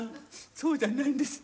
そうじゃないんです。